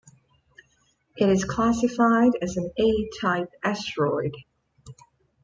It is classified as an A-type asteroid.